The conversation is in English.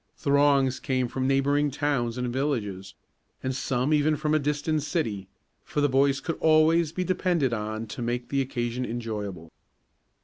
Throngs came from neighboring towns and villages, and some even from a distant city, for the boys could always be depended on to make the occasion enjoyable.